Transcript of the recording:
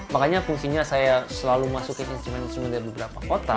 makanya fungsinya saya selalu masukin instrumen instrumen dari beberapa kota